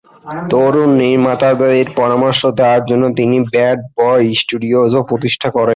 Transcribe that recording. তরুণ নির্মাতাদের পরামর্শ দেওয়ার জন্য তিনি ব্যাড বয় স্টুডিওস প্রতিষ্ঠা করেন।